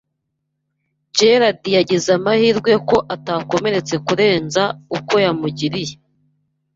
Gerard yagize amahirwe ko atakomeretse kurenza uko yamugiriye.